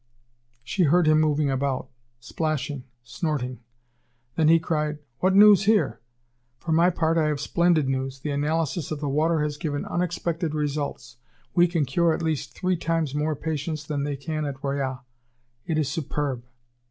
She heard him moving about, splashing, snorting; then he cried: "What news here? For my part, I have splendid news. The analysis of the water has given unexpected results. We can cure at least three times more patients than they can at Royat. It is superb!"